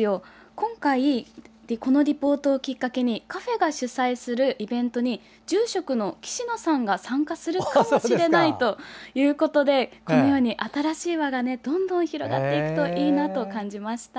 今回、このリポートをきっかけにカフェが主催するイベントに住職の岸野さんが参加するかもしれないそうでこのように、新しい輪がどんどん広がっていくといいなと感じました。